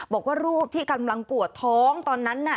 บอกว่ารูปที่กำลังปวดท้องตอนนั้นน่ะ